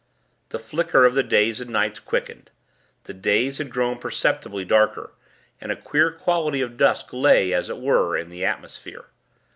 The flicker of the days and nights quickened. The days had grown perceptibly darker, and a queer quality of dusk lay, as it were, in the atmosphere.